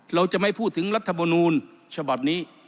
เราจะไม่พูดถึงรัฐมนูลฉบับนี้